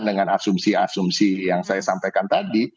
dengan asumsi asumsi yang saya sampaikan tadi